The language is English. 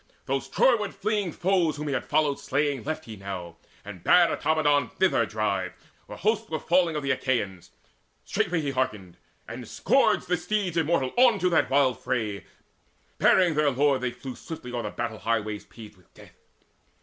Those Troyward fleeing foes Whom he had followed slaying, left he now, And bade Automedon thither drive, where hosts Were falling of the Achaeans. Straightway he Hearkened, and scourged the steeds immortal on To that wild fray: bearing their lord they flew Swiftly o'er battle highways paved with death.